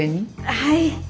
はい。